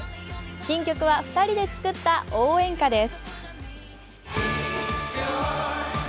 新曲は２人で作った応援歌です。